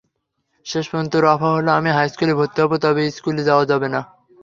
শেষ পর্যন্ত রফা হলো—আমি হাইস্কুলে ভর্তি হব, তবে স্কুলে যাওয়া যাবে না।